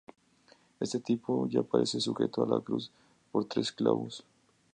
Este tipo ya aparece sujeto a la cruz por tres clavos.